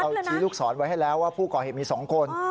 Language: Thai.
เราทีลูกสอนไว้ให้แล้วว่าผู้ก่อเห็นมี๒คน